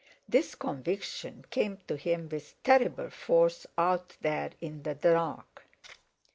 This conviction came to him with terrible force out there in the dark.